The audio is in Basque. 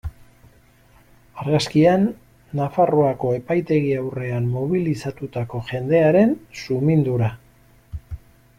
Argazkian, Nafarroako epaitegi aurrean mobilizatutako jendearen sumindura.